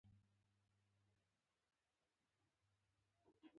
• له یوه بل سره مینه وکړئ.